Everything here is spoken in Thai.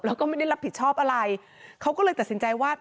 แล้วก็ไม่ได้รับผิดชอบอะไรเขาก็เลยตัดสินใจว่า